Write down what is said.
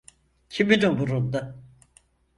Kimin umurunda?